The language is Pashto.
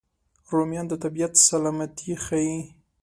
رومیان د طبیعت سلامتي ښيي